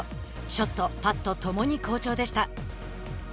ショット、パット共に好調でした。